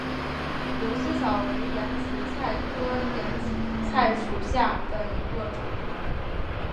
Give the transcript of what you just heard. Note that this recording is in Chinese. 柳丝藻为眼子菜科眼子菜属下的一个种。